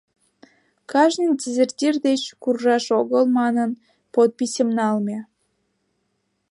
Кажне дезертир деч, куржаш огыл манын, подписьым налме.